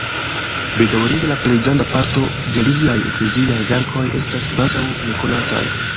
Bedaŭrinde la plej granda parto de liaj ekleziaj verkoj estas kvazaŭ nekonataj.